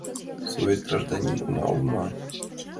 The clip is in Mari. — Совет гражданин онал мо?